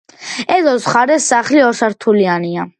ეზოს მხარეს სახლი ორსართულიანია.